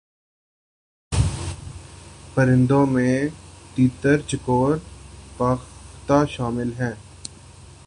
پرندوں میں تیتر چکور فاختہ شامل ہیں